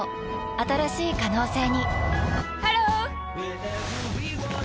新しい可能性にハロー！